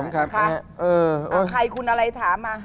ใครคุณอะไรถามมา